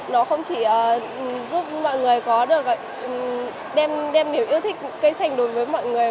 nó không chỉ giúp mọi người có được đem niềm yêu thích cây xanh đối với mọi người